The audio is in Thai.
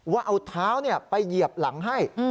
ว่าเอาเท้าไปเหยียบหลังให้